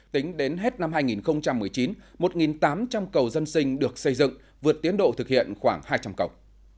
tính đến hết năm hai nghìn một mươi chín một tám trăm linh cầu dân sinh được xây dựng vượt tiến độ thực hiện khoảng hai trăm linh cầu